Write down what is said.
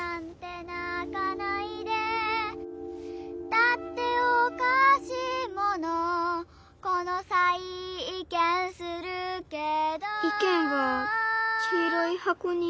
「だっておかしいものこのさい意見するけど」意見はきいろいはこに。